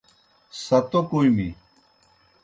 ستو کوْمیْ۔